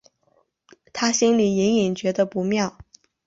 她心里隐隐觉得不妙